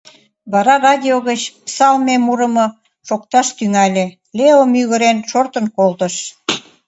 Вара радио гыч псалме мурымо шокташ тӱҥале, Лео мӱгырен шортын колтыш.